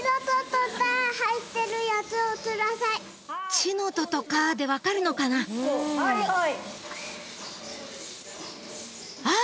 「ちのととか」で分かるのかなあっ！